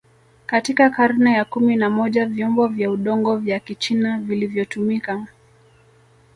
Katika karne ya kumi na moja vyombo vya udongo vya kichina vilivyotumika